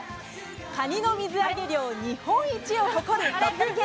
カニの水揚げ量日本一を誇る鳥取県。